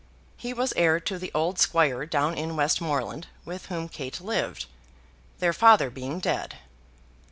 He was heir to the old squire down in Westmoreland, with whom Kate lived, their father being dead.